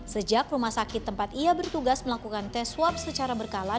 sejak rumah sakit tempat ia bertugas melakukan tes swab secara berkala